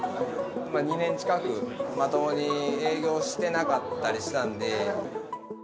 ２年近く、まともに営業してなかったりしたんで。